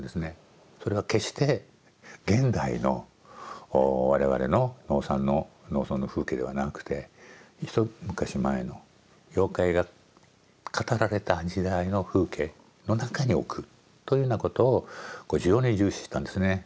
それは決して現代の我々の農村の風景ではなくて一昔前の妖怪が語られた時代の風景の中に置くというようなことを非常に重視したんですね。